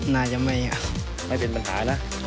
น่าจะไม่เป็นปัญหานะ